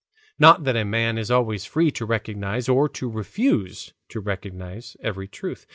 Not that a man is always free to recognize or to refuse to recognize every truth.